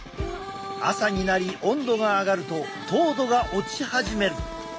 朝になり温度が上がると糖度が落ち始める。